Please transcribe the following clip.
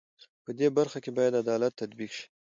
په دې برخه کې بايد عدالت تطبيق شي.